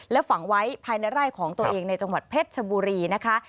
และฝังไว้ภายในไร่ของตัวเองในจังหวัดเพชรชบุรีนะคะ